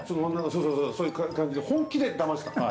そうそうそういう感じで本気でだました。